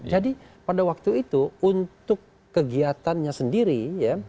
jadi pada waktu itu untuk kegiatannya sendiri ya